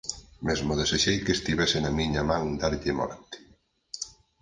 Mesmo desexei que estivese na miña man darlle morte...